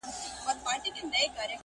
مور لا هم کمزورې ده او ډېر لږ خبري کوي.